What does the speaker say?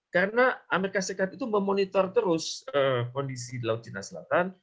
karena amerika serikat itu memonitor terus kondisi laut china selatan